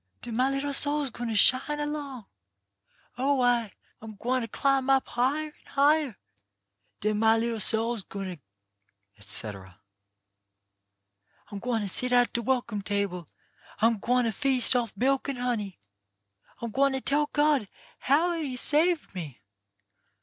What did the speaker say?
Den my little soul's gwine to shine along. Oh ! I'm gwine to climb up higher an' higher. Den my little soul's gwine , etc I'm gwine to sit at de welcome table I'm gwine to feast off milk an' honey. I'm gwine to tell God how a' you sarved me.